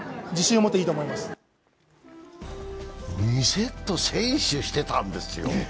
２セット先取してたんですよ